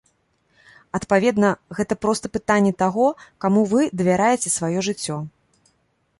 Адпаведна, гэта проста пытанне таго, каму вы давяраеце сваё жыццё.